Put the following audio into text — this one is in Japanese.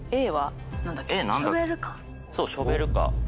そうショベルカー。